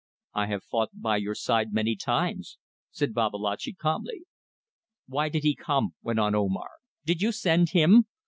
"I have fought by your side many times," said Babalatchi, calmly. "Why did he come?" went on Omar. "Did you send him?